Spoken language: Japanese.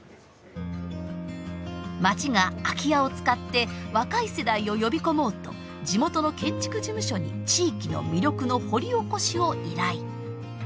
町が空き家を使って若い世代を呼び込もうと地元の建築事務所に地域の魅力の掘り起こしを依頼。